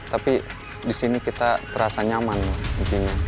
tapi di sini kita terasa nyaman intinya